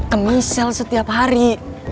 kemisal setiap hari